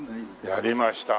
やりました。